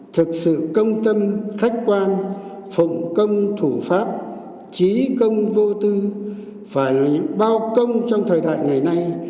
thực sự công tâm khách quan phụng công thủ pháp trí công vô tư phải là những bao công trong thời đại ngày nay